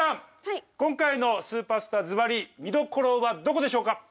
今回の「スーパースター」ずばり見どころはどこでしょうか？